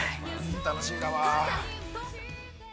◆楽しみだわー。